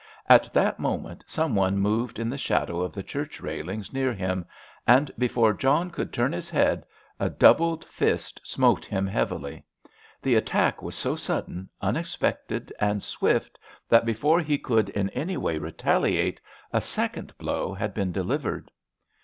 At that moment some one moved in the shadow of the church railings near him, and before John could turn his head a doubled fist smote him heavily. The attack was so sudden, unexpected and swift that before he could in any way retaliate a second blow had been delivered.